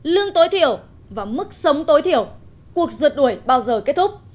lương tối thiểu và mức sống tối thiểu cuộc rượt đuổi bao giờ kết thúc